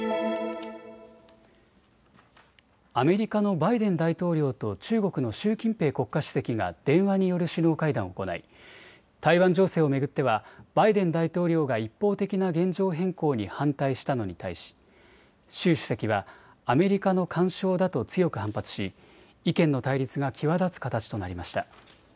アメリカのバイデン大統領と中国の習近平国家主席が電話による首脳会談を行い台湾情勢を巡ってはバイデン大統領が一方的な現状変更に反対したのに対し習主席はアメリカの干渉だと強く反発し、意見の対立が際立つ形となりました。